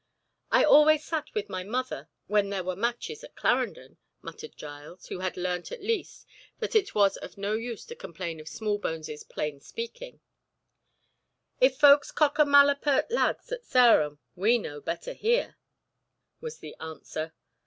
"I always sat with my mother when there were matches at Clarendon," muttered Giles, who had learnt at least that it was of no use to complain of Smallbones' plain speaking. "If folks cocker malapert lads at Sarum we know better here," was the answer.